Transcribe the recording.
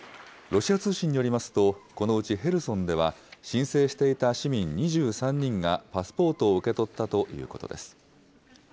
ロシア通信によりますと、このうちヘルソンでは申請していた市民２３人が、パスポートを受け取ったということです。